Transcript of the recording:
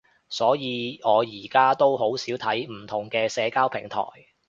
所以我而家都好少睇唔同嘅社交平台